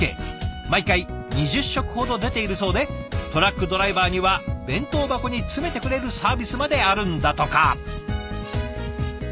毎回２０食ほど出ているそうでトラックドライバーには弁当箱に詰めてくれるサービスまであるんだとか。